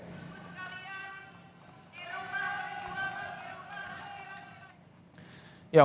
di rumah di rumah di rumah